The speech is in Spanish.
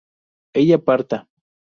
¿ella parta?